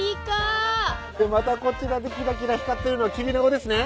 またこちらでキラキラ光ってるのはきびなごですね？